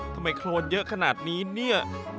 ทำไมโคลนเยอะขนาดนี้เนี่ย